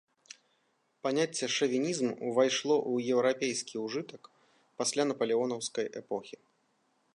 Паняцце шавінізм увайшло ў еўрапейскі ўжытак пасля напалеонаўскай эпохі.